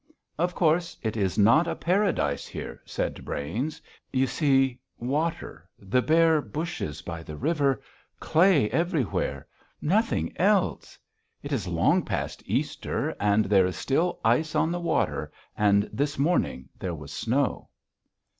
"Of course, it is not a paradise here," said Brains, "you see, water, the bare bushes by the river, clay everywhere nothing else.... It is long past Easter and there is still ice on the water and this morning there was snow...."